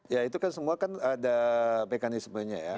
ya itu kan semua kan ada mekanismenya ya